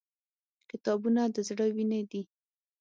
• کتابونه د زړه وینې دي.